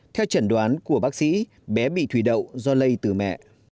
theo trần đoán của bác sĩ bé bị thủy đậu do lây từ mẹ